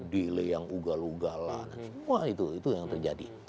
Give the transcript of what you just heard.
delay yang ugal ugalan semua itu yang terjadi